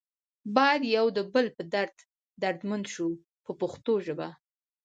باید یو د بل په درد دردمند شو په پښتو ژبه.